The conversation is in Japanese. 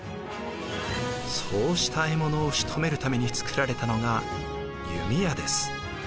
そうした獲物をしとめるために作られたのが弓矢です。